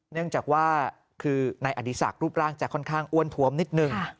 เนื่องจากว่าคือนายอดีศักดิ์รูปร่างจะค่อนข้างอ้วนทวมนิดนึง